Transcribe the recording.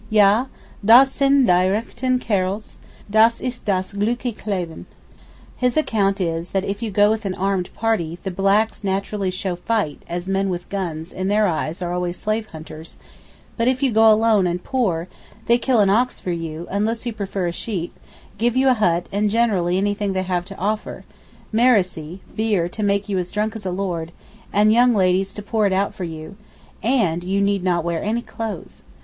Ja, das sind die rechten Kerls, dass ist das glückliche Leben. His account is that if you go with an armed party, the blacks naturally show fight, as men with guns, in their eyes, are always slave hunters; but if you go alone and poor, they kill an ox for you, unless you prefer a sheep, give you a hut, and generally anything they have to offer, merissey (beer) to make you as drunk as a lord, and young ladies to pour it out for you—and—you need not wear any clothes.